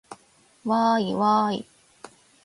わーいわーい